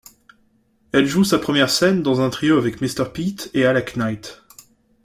Elle joue sa première scène dans un trio avec Mr Pete et Alec Knight.